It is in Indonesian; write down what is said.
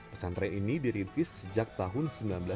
pesantren ini dirilis sejak tahun seribu sembilan ratus dua puluh empat